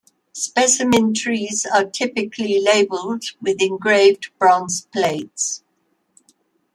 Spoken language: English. Specimen trees are typically labeled with engraved bronze plates.